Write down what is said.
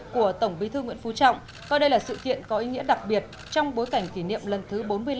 của tổng bí thư nguyễn phú trọng coi đây là sự kiện có ý nghĩa đặc biệt trong bối cảnh kỷ niệm lần thứ bốn mươi năm